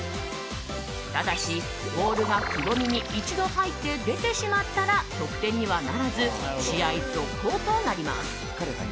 ただしボールがくぼみに一度入って出てしまったら得点にはならず試合続行となります。